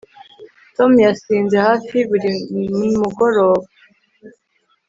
tom yasinze hafi buri mugoroba